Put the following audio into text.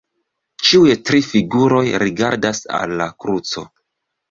Ĉiuj tri figuroj rigardas al la kruco.